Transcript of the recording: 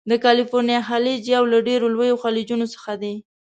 د کلفورنیا خلیج یو له ډیرو لویو خلیجونو څخه دی.